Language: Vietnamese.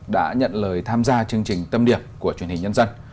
đã nhận lời tham gia chương trình tâm điểm của truyền hình nhân dân